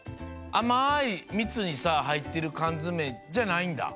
あまいみつにさはいってるかんづめじゃないんだ？